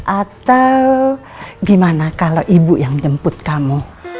atau gimana kalau ibu yang jemput kamu